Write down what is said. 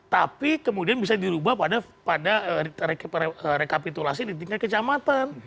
tapi kemudian bisa dirubah pada rekapitulasi di tingkat kecamatan